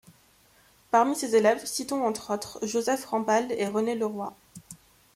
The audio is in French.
Parmi ses élèves, citons entre autres, Joseph Rampal et René Le Roy.